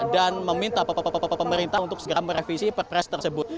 dan meminta pemerintah untuk segera merevisi perpres tersebut